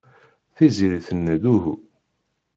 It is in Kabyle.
Tiziri tenna-d uhu.